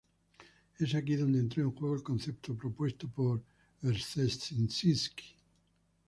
Es aquí donde entró en juego el concepto propuesto por Brzezinski.